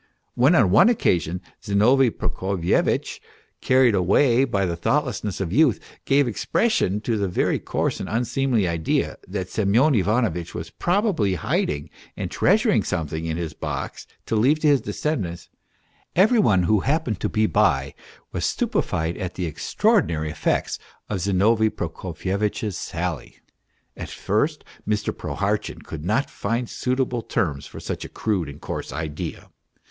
When on one occasion Zinovy Prokofyevitch, carried away by the thoughtlessness of youth, gave expression to the very coarse and unseemly idea, that Semyon Ivanovitch was probably hiding and treasuring something in his box to leave to his descendants, every one who happened to be by was stupefied at the extra ordinary effects of Zinovy Prokofyevitch's sally. At first Mr. Prohartchin could not find suitable terms for such a crude and coarse idea.